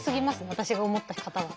私が思った方は。